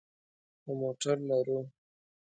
خو موټر لرو